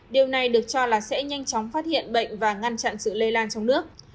điều này được cho là sẽ nhanh chóng phát hiện bệnh và ngăn chặn sự lây lan trong nước